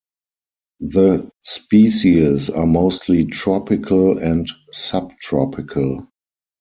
The species are mostly tropical and subtropical.